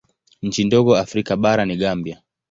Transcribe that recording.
Nchi ndogo Afrika bara ni Gambia.